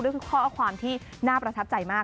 ก็คือข้อความที่น่าประทับใจมาก